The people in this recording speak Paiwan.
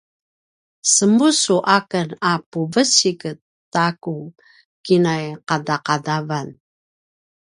semusu aken a puvecik ta ku kinai qadaqadavan